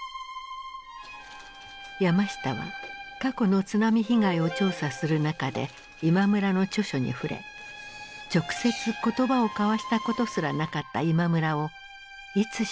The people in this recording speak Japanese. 山下は過去の津波被害を調査する中で今村の著書に触れ直接言葉を交わしたことすらなかった今村をいつしか師と仰ぐようになった。